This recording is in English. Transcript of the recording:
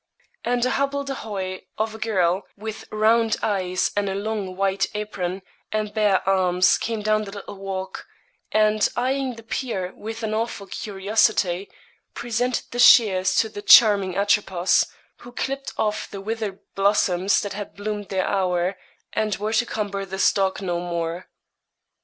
And a hobble de hoy of a girl, with round eyes, and a long white apron, and bare arms, came down the little walk, and eyeing the peer with an awful curiosity presented the shears to the charming Atropos, who clipped off the withered blossoms that had bloomed their hour, and were to cumber the stalk no more.